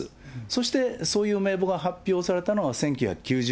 そして、そういう名簿が発表されたのが１９９０年。